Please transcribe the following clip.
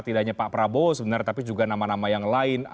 tidak hanya pak prabowo sebenarnya tapi juga nama nama yang lain